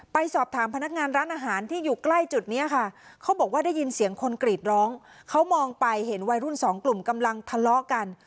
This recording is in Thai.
ไปสอบถามพนักงานร้านอาหารที่อยู่ใกล้จุดนี้ค่ะเขาบอกว่าได้ยินเสียงคนกรีดร้องเขามองไปเห็นวัยรุ่นสองกลุ่มกำลังทะเลาะกัน